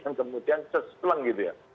yang kemudian suspleng gitu ya